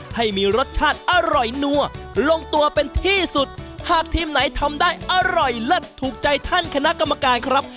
ให้มีรสชาติอร่อยนัวลงตัวเป็นที่สุดหากทีมไหนทำได้อร่อยเลิศถูกใจท่านคณะกรรมการครับ